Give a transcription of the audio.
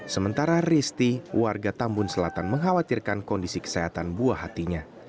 sementara risti warga tambun selatan mengkhawatirkan kondisi kesehatan buah hatinya